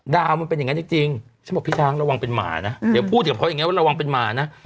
ดาวมันเป็นอย่างงั้นจริงช่างพูดพี่ช้างระวังเป็นหมานะเดี๋ยวพูดกับเขาแบบพอกันว่าระวังเป็นหมานะ